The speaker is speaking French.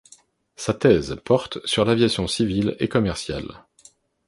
Sa thèse porte sur l'aviation civile et commerciale.